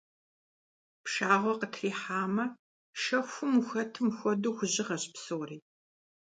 Пшагъуэ къытрихьамэ, шэхум ухэтым хуэдэу хужьыгъэщ псори.